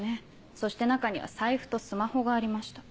そして中には財布とスマホがありました。